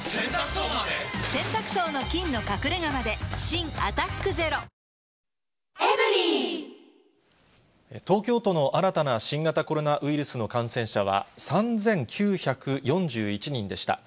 新「アタックＺＥＲＯ」東京都の新たな新型コロナウイルスの感染者は３９４１人でした。